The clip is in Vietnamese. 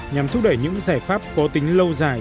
nhằm thúc đẩy những giải pháp có tính lâu dài